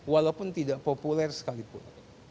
walaupun tidak populer sekalipun